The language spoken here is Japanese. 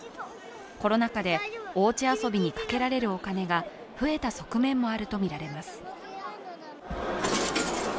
コロナ禍で、おうち遊びにかけられるお金が増えた側面もあるとみられます。